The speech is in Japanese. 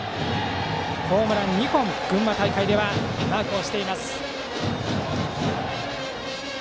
ホームラン２本群馬大会ではマークしています。